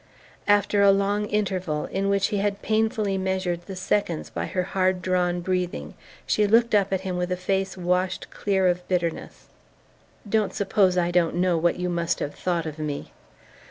After a long interval, in which he had painfully measured the seconds by her hard drawn breathing, she looked up at him with a face washed clear of bitterness. "Don't suppose I don't know what you must have thought of me!"